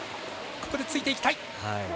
ここでついていきたい。